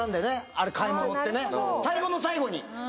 あれ買い物ってね最後の最後に。